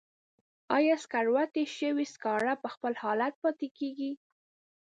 آیا سکروټې شوي سکاره په خپل حالت پاتې کیږي؟